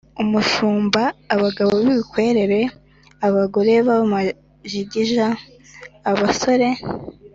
umushumba, abagabo b’ibikwerere, abagore b’amajigija, abasore